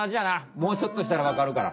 もうちょっとしたらわかるから。